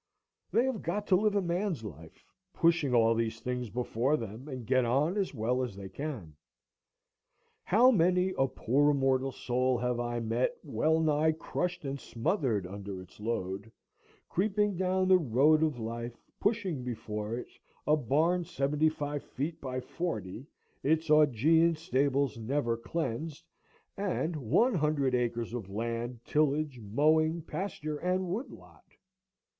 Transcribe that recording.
They have got to live a man's life, pushing all these things before them, and get on as well as they can. How many a poor immortal soul have I met well nigh crushed and smothered under its load, creeping down the road of life, pushing before it a barn seventy five feet by forty, its Augean stables never cleansed, and one hundred acres of land, tillage, mowing, pasture, and wood lot!